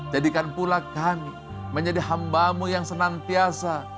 jadikan pula kami menjadi hambamu yang senantiasa